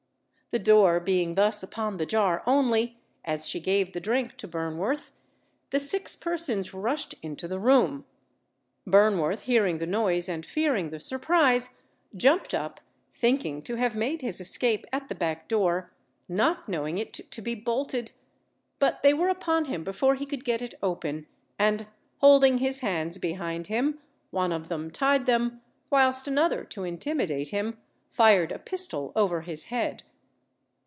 The door being thus upon the jar only, as she gave the drink to Burnworth, the six persons rushed into the room. Burnworth hearing the noise and fearing the surprise, jumped up, thinking to have made his escape at the back door, not knowing it to be bolted; but they were upon him before he could get it open, and holding his hands behind him, one of them tied them, whilst another, to intimidate him, fired a pistol over his head.